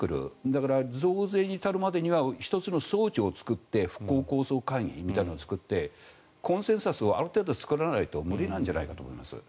だから増税に至るまでには１つの装置を作って復興構想会議みたいなのを作ってコンセンサスをある程度作らないと無理なんじゃないかと思います。